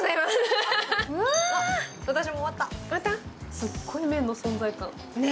すっごい、麺の存在感。